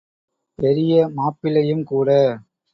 பெரிய மாப்பிள்ளையும் கூட.